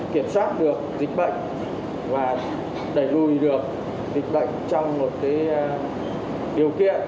kiểm soát được dịch bệnh và đẩy lùi được dịch bệnh trong một điều kiện